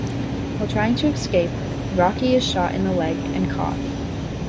While trying to escape, Rocky is shot in the leg and caught.